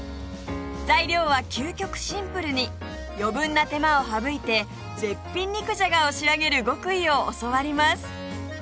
材料は究極シンプルに余分な手間を省いて絶品肉じゃがを仕上げる極意を教わります！